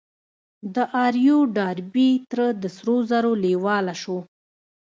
د آر يو ډاربي تره د سرو زرو لېواله شو.